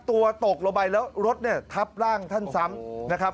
ตกลงไปแล้วรถเนี่ยทับร่างท่านซ้ำนะครับ